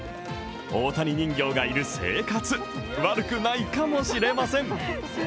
大谷人形がいる生活悪くないかもしれません。